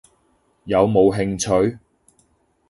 有冇興趣？